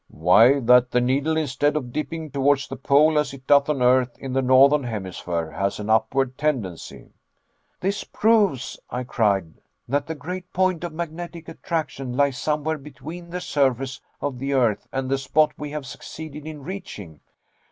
"Why, that the needle instead of dipping towards the pole as it does on earth, in the northern hemisphere, has an upward tendency." "This proves," I cried, "that the great point of magnetic attraction lies somewhere between the surface of the earth and the spot we have succeeded in reaching."